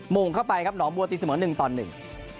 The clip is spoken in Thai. งงเข้าไปครับหนองบัวตีเสมอหนึ่งตอนหนึ่ง